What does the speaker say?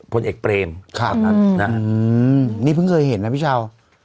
พลเอกเปรมแบบนั้นนะนี่เพิ่งเคยเห็นนะพี่เช้า